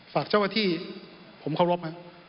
ฝากเจ้าอาทิตย์ผมเคารพครับ